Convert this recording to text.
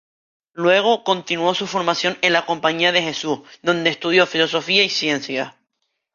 Luego continuó su formación en la Compañía de Jesús donde estudió filosofía y ciencias.